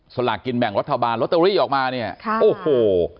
สลากกินแบ่งรัฐบาลลอตเตอรี่ออกมาเนี่ยโอ้โห